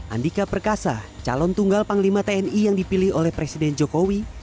andika perkasa calon tunggal panglima tni yang dipilih oleh presiden jokowi